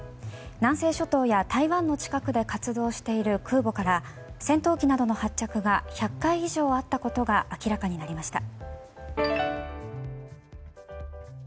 南西諸島や台湾の近くで活動している空母から戦闘機などの発着が１００回以上あったことが明らかになりました。